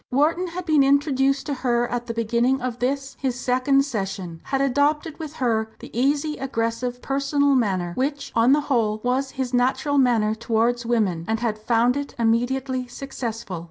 Wharton had been introduced to her at the beginning of this, his second session, had adopted with her the easy, aggressive, "personal" manner which, on the whole, was his natural manner towards women and had found it immediately successful.